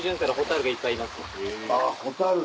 あっホタル。